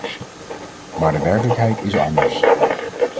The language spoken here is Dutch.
Maar de werkelijkheid is anders.